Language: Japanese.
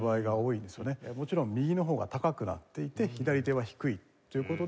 もちろん右のほうが高くなっていて左手は低いという事で。